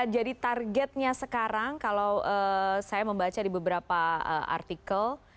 jadi targetnya sekarang kalau saya membaca di beberapa artikel